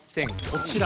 こちら！